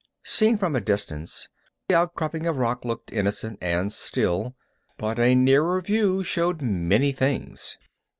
Seen from a distance, the outcropping of rock looked innocent and still, but a nearer view showed many things.